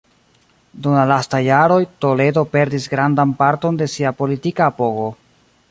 Dum la lastaj jaroj, Toledo perdis grandan parton de sia politika apogo.